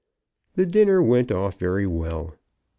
The dinner went off very well.